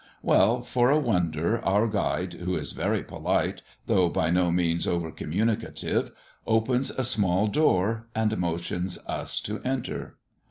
Well, for a wonder, our guide, who is very polite, though by no means over communicative, opens a small door, and motions us to enter.